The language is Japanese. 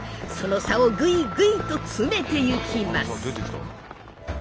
その差をぐいぐいと詰めてゆきます。